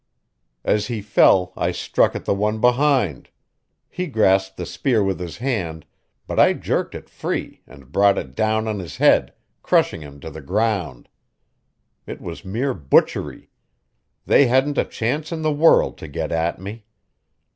As he fell I struck at the one behind. He grasped the spear with his hand, but I jerked it free and brought it down on his head, crushing him to the ground. It was mere butchery; they hadn't a chance in the world to get at me.